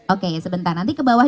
oke sebentar nanti ke bawah